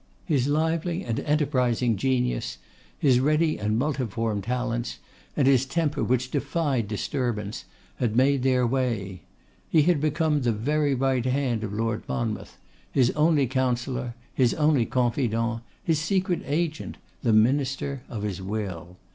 His lively and enterprising genius, his ready and multiform talents, and his temper which defied disturbance, had made their way. He had become the very right hand of Lord Monmouth; his only counsellor, his only confidant; his secret agent; the minister of his will.